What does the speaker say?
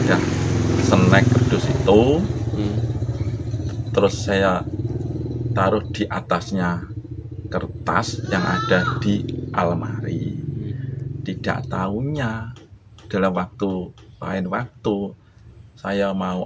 atasnya kertas yang ada di almari tidak taunya dalam waktu lain waktu saya mau